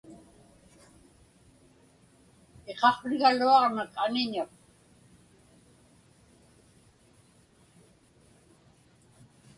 Iqaqsrigaluaġnak aniñak.